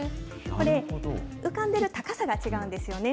これ、浮かんでる高さが違うんですよね。